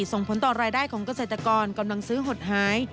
ส่งผลต่อรายได้ของเกษตรกรกำลังซื้อหดหาย